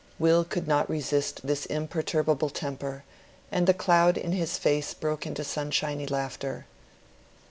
Will could not resist this imperturbable temper, and the cloud in his face broke into sunshiny laughter.